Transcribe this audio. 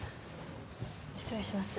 失礼します。